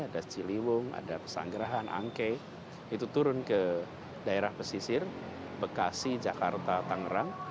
ada ciliwung ada pesanggerahan angke itu turun ke daerah pesisir bekasi jakarta tangerang